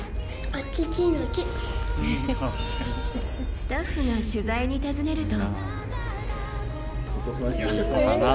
スタッフが取材に訪ねると。